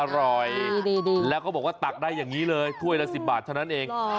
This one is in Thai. อร่อยแล้วเขาบอกว่าตักได้อย่างนี้เลยถ้วยละ๑๐บาทเท่านั้นเอง